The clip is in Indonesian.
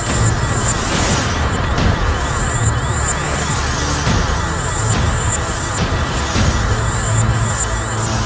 aku akan mengobati